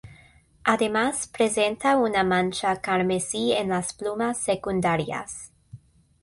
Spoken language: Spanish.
Además presenta una mancha carmesí en las plumas secundarias.